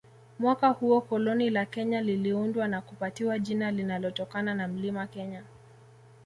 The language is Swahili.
Mwaka huo koloni la Kenya liliundwa na kupatiwa jina linalotokana na Mlima Kenya